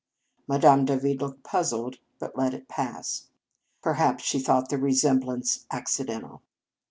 Madame Davide looked puzzled, but let it pass. Per haps she thought the resemblance accidental.